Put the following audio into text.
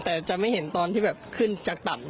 แต่จะไม่เห็นตอนที่แบบขึ้นจากต่ำ